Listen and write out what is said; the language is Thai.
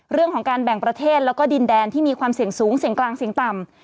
เรื่องของการแบ่งประเทศแล้วก็ดินแดนที่มีความเสี่ยงสูงเสี่ยงกลางเสี่ยงต่ำ